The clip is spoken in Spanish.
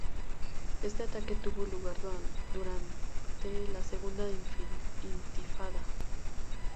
Este ataque tuvo lugar durante la Segunda Intifada.